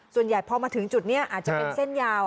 ส่วนใหญ่พอมาถึงจุดนี้อาจจะเป็นเส้นยาว